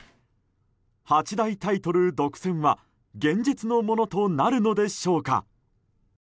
八大タイトル独占は現実のものとなるのでしょうか。